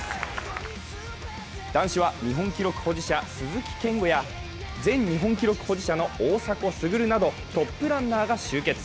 男子は日本記録保持者・鈴木健吾や前日本記録保持者の大迫傑などトップランナーが集結。